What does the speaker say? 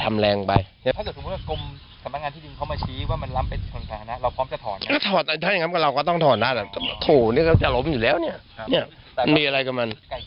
แต่ถ้าคุยยอมความกันได้ก็ยอมความ